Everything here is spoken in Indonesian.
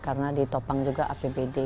karena ditopang juga apbd